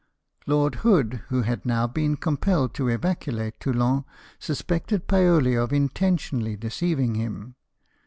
Lord Hood, who had now been compelled to evacuate Toulon, suspected PaoH of intentionally deceiving him.